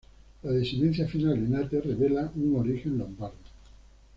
La desinencia final en "-ate" revela una origen lombarda.